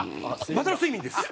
バサロ睡眠です。